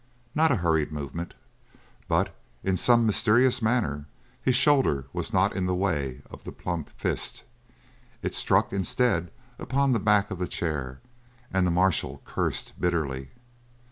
Not a hurried movement, but in some mysterious manner his shoulder was not in the way of the plump fist. It struck, instead, upon the back of the chair, and the marshal cursed bitterly.